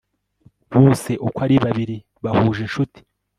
bose uko ari babiri bahuje inshuti